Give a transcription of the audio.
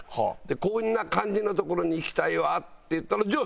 「こんな感じの所に行きたいわ」って言ったらじゃあ